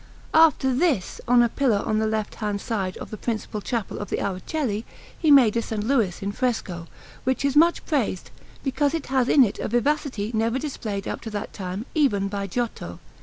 After this, on a pillar on the left hand side of the principal chapel of the Araceli, he made a S. Louis in fresco, which is much praised, because it has in it a vivacity never displayed up to that time even by Giotto.